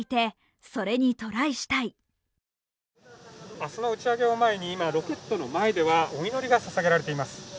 明日の打ち上げを前に今、ロケットの前ではお祈りが捧げられています。